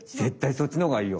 そっちのほうがいいよ。